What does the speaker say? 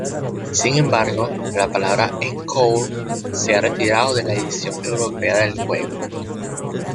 Sin embargo, la palabra "Encore" se ha retirado de la edición europea del juego.